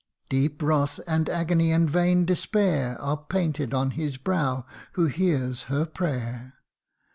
Deep wrath, and agony, and vain despair, Are painted on his brow who hears her prayer.